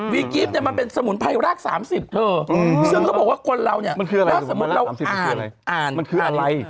วีกิฟต์มันเป็นสมุนไพร่ราก๓๐ซึ่งก็บอกว่าคนเราเนี่ย